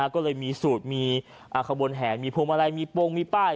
ก็เลยมีสูตรมีขบวนแห่มีพวงมาลัยมีโปรงมีป้าย